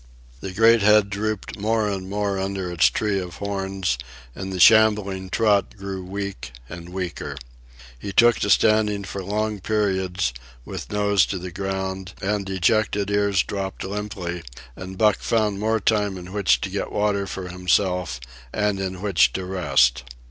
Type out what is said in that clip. The great head drooped more and more under its tree of horns, and the shambling trot grew weak and weaker. He took to standing for long periods, with nose to the ground and dejected ears dropped limply; and Buck found more time in which to get water for himself and in which to rest.